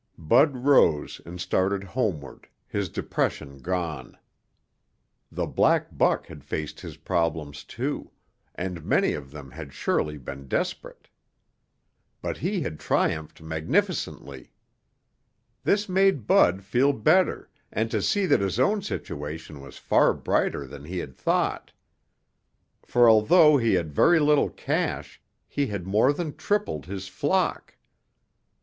Bud rose and started homeward, his depression gone. The black buck had faced his problems, too, and many of them had surely been desperate. But he had triumphed magnificently. This made Bud feel better and to see that his own situation was far brighter than he had thought. For although he had very little cash, he had more than tripled his flock.